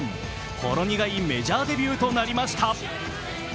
ほろ苦いメジャーデビューとなりました。